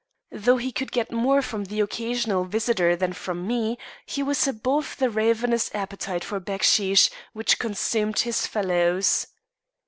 Though he could get more from the occasional visitor than from me, he was above the ravenous appetite for backsheesh which consumed his fellows.